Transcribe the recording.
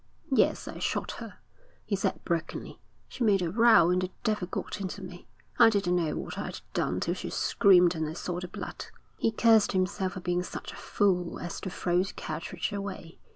'Yes, I shot her,' he said brokenly. 'She made a row and the devil got into me. I didn't know what I'd done till she screamed and I saw the blood.' He cursed himself for being such a fool as to throw the cartridge away.